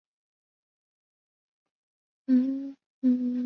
极低密度脂蛋白为一种由肝脏制造的脂蛋白。